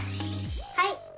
はい！